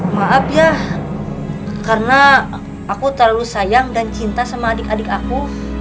maaf ya karena aku terlalu sayang dan cinta sama adik adik aku